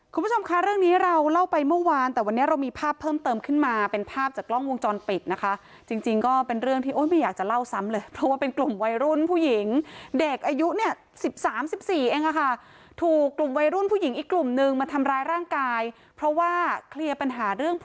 คุณผู้ชมคะเรื่องนี้เราเล่าไปเมื่อวานแต่วันนี้เรามีภาพเพิ่มเติมขึ้นมาเป็นภาพจากกล้องวงจรปิดนะคะจริงจริงก็เป็นเรื่องที่โอ้ยไม่อยากจะเล่าซ้ำเลยเพราะว่าเป็นกลุ่มวัยรุ่นผู้หญิงเด็กอายุเนี่ยสิบสามสิบสี่เองอ่ะค่ะถูกกลุ่มวัยรุ่นผู้หญิงอีกกลุ่มนึงมาทำร้ายร่างกายเพราะว่าเคลียร์ปัญหาเรื่อง